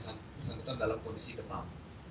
yang bersangkutan dalam kondisi demam